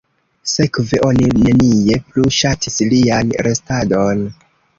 Sekve oni nenie plu ŝatis lian restadon.